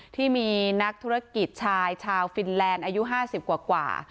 ที่มีนักธุรกิจชายชาวฟินแลนด์อายุ๕๐กว่า